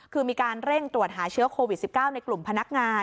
คือมีการเร่งตรวจหาเชื้อโควิด๑๙ในกลุ่มพนักงาน